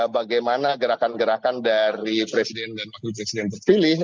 bagaimana gerakan gerakan dari presiden dan wakil presiden terpilih